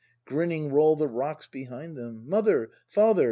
Grinning roll the rocks behind them: "Mother, father!"